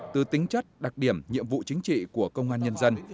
từ tính chất đặc điểm nhiệm vụ chính trị của công an nhân dân